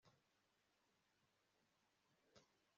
arabasubiza ati nibyiza kubaza